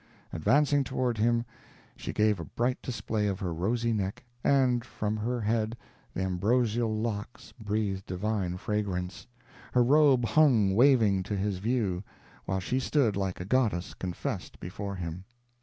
Advancing toward him, she gave a bright display of her rosy neck, and from her head the ambrosial locks breathed divine fragrance; her robe hung waving to his view, while she stood like a goddess confessed before him.